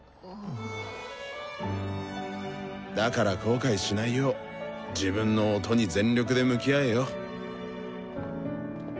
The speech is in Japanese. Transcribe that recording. だから後悔しないよう自分の「音」に全力で向き合えよ！